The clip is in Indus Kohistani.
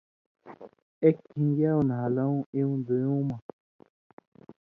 ایک کھِن٘گیاؤ نھالُوں اېوں دُویُوں مہ